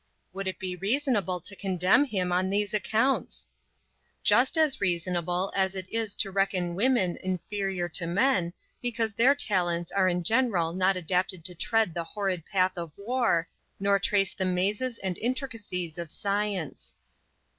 Would it be reasonable to condemn him on these accounts? Just as reasonable, as it is to reckon women inferior to men, because their talents are in general not adapted to tread the horrid path of war, nor trace the mazes and intricacies of science.